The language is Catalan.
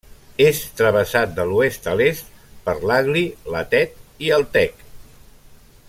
És travessat, de l'oest a l'est, per l'Aglí, la Tet i el Tec.